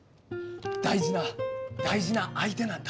大事な大事な相手なんだ。